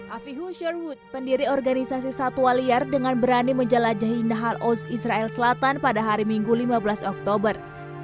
afihu sherwood pendiri organisasi satwa liar dengan berani menjelajahi nahal oz israel selatan pada hari minggu lima belas oktober